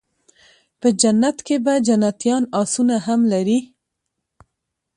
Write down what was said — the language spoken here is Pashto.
په جنت کي به جنيان آسونه هم لري